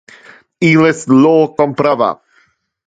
Illes lo comprava.